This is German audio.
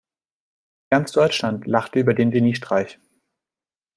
Ganz Deutschland lachte über den Geniestreich.